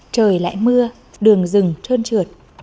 trời lại mưa đường rừng trơn trượt